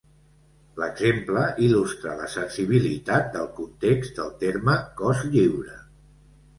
L'exemple il·lustra la sensibilitat del context del terme "cos lliure".